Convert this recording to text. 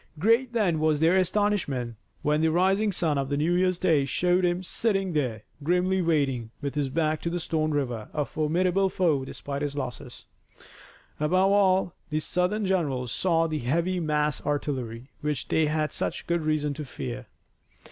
Great then was their astonishment when the rising sun of New Year's day showed him sitting there, grimly waiting, with his back to Stone River, a formidable foe despite his losses. Above all the Southern generals saw the heavily massed artillery, which they had such good reason to fear.